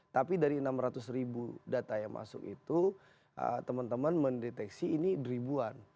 tapi dari enam ratus ribu data yang masuk itu teman teman mendeteksi ini ribuan